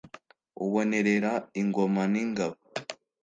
Ubonerera ingoma n'ingabo,